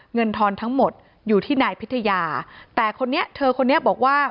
ทอนทั้งหมดอยู่ที่นายพิทยาแต่คนนี้เธอคนนี้บอกว่า